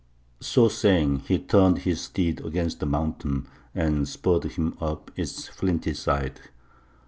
"So saying, he turned his steed against the mountain, and spurred him up its flinty side.